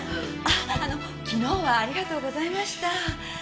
昨日はありがとうございました。